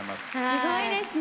すごいですね。